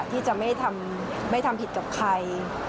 ที่จะไม่ทำผิดกับใคร